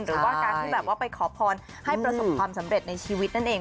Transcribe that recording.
หรือเข้าไปขอพรให้ประสบความสำเร็จในชีวิตนั่นเอง